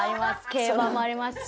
競馬もありますし。